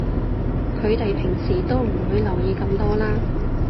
佢哋平時都唔會留意咁多啦